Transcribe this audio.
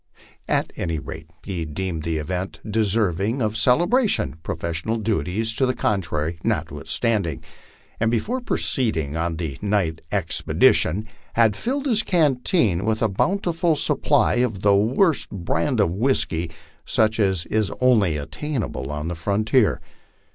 At any rate he deemed the event deserving of celebration professional duties to the contrary notwithstanding and before proceeding on the night expedition had filled his canteen with a bountiful sup ply of the worst brand of whiskey, such as is only attainable on the frontier.